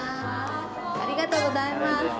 ありがとうございます。